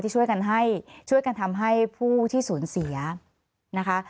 ช่วยกันให้ช่วยกันทำให้ผู้ที่สูญเสียนะคะ